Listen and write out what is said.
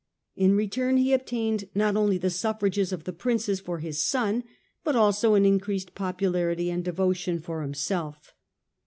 In return he obtained not only the suffrages of the Princes for his son but also an increased popularity and devotion for himself.